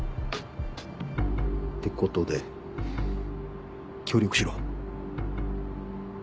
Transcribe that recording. ってことで協力しろ。